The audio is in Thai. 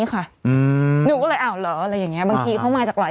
ข้าวโทรศัพท์ที่หนูใช้ว่า